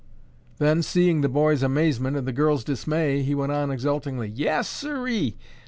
Then, seeing the boys' amazement and the girls' dismay, he went on exultingly, "Yes, siree!